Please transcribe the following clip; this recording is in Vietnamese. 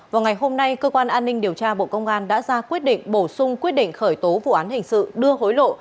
vào ngày hôm nay cơ quan an ninh điều tra bộ công an đã ra quyết định bổ sung quyết định khởi tố vụ án hình sự đưa hối lộ